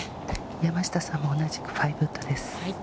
山下さんも同じく、ファイブウッドです。